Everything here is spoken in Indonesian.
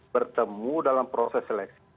bertemu dalam proses seleksi